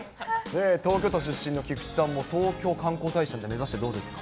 東京都出身の菊池さんも東京観光大使を目指してどうですか。